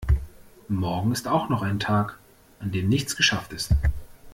Morgen ist auch noch ein Tag an dem nichts geschafft ist.